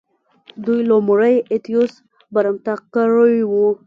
دوی لومړی اتیوس برمته کړی و